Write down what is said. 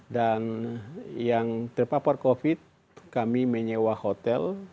dan yang terpapar covid kami menyewa hotel